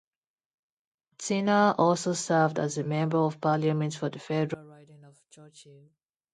Tina also served as a Member of Parliament for the federal riding of Churchill.